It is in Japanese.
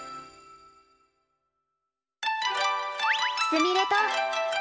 すみれと。